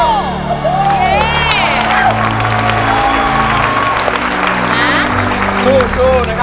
ไม่ใช้ค่ะ